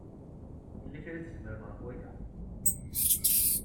Yella kra ay teẓram ɣef waya?